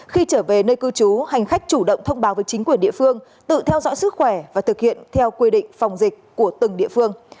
khi trở về nơi cư trú hành khách chủ động thông báo với chính quyền địa phương tự theo dõi sức khỏe và thực hiện theo quy định phòng dịch của từng địa phương